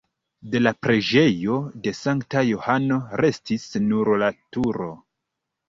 De la preĝejo de Sankta Johano restis nur la turo.